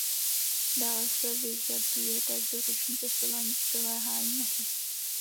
Dále se vyžaduje každoroční testování přiléhání masek.